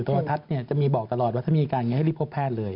โทรทัศน์จะมีบอกตลอดว่าถ้ามีอาการไงให้รีบพบแพทย์เลย